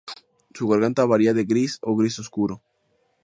Su garganta varía de gris o gris oscuro.